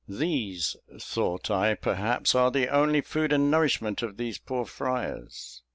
"These," thought I, "perhaps are the only food and nourishment of these poor friars."